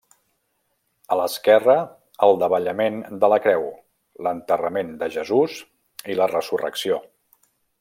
A l'esquerra, el davallament de la Creu, l'enterrament de Jesús i la resurrecció.